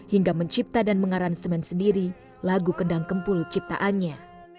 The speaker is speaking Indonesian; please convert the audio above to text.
hingga mencipta dan mengaransemen sendiri lagu kendang kempul ciptaannya